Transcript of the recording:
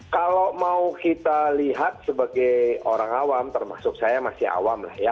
kalau mau kita lihat sebagai orang awam termasuk saya masih awam lah ya